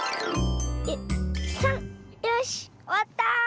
よしおわった！